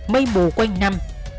mây mù quanh năm